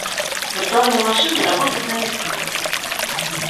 Виртуальные машины работают на низком уровне